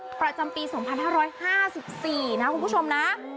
ประจำปี๒๕๕๔นะคุณผู้ชมนะ